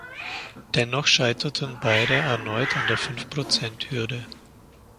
Dennoch scheiterten beide erneut an der Fünf-Prozent-Hürde.